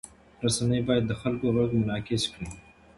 رسنۍ باید د خلکو غږ منعکس کړي.